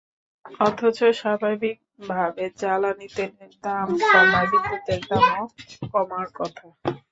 অথচ স্বাভাবিকভাবে জ্বালানি তেলের দাম কমায় বিদ্যুতের দামও কমার কথা।